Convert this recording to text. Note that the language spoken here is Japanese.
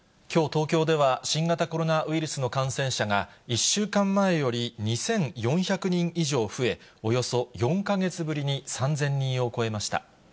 きょう、東京では新型コロナウイルスの感染者が、１週間前より２４００人以上増え、およそ４か月ぶりに３０００人を超えました。